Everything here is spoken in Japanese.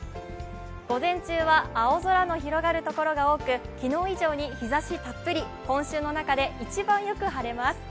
午前中は青空の広がるところが多く昨日より日ざしたっぷり、今週の中で一番よく晴れます。